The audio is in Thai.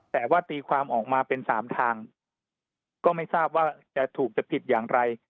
แต่ว่าตีความออกมาเป็นสามทางก็ไม่ทราบว่าจะถูกจะผิดอย่างไร